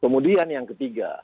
kemudian yang ketiga